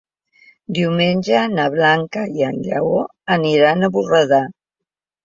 Diumenge na Blanca i en Lleó aniran a Borredà.